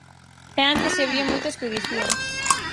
E antes si había moitas que o dicían.